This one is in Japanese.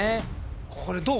これどう？